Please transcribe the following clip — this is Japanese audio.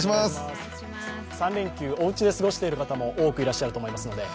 ３連休、おうちで過ごしている方も多くいらっしゃると思います。